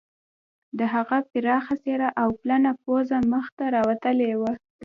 د هغه پراخه څیره او پلنه پوزه مخ ته راوتلې وه